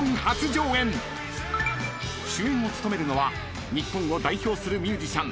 ［主演を務めるのは日本を代表するミュージシャン］